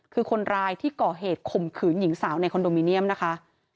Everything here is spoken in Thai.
คือคนร้ายที่ก่อเหตุข่มขืนหญิงสาวในคอนโดมิเนียมนะคะ